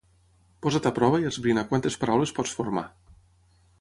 posa't a prova i esbrina quantes paraules pots formar